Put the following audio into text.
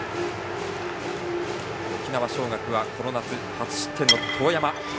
沖縄尚学はこの夏、初失点の當山。